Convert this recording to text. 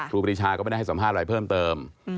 รูปรีชาก็ไม่ได้ให้สัมภาษณ์อะไรเพิ่มเติม